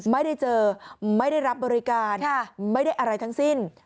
ไม่ได้เจอไม่ได้รับบริการไม่ได้อะไรทั้งสิ้น